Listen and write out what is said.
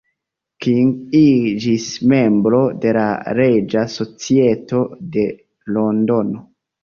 King iĝis membro de la Reĝa Societo de Londono.